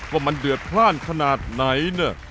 ว่ามันเดือดพลาดขนาดไหนเนี่ย